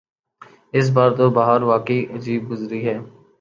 اس بار تو بہار واقعی عجیب گزری ہے۔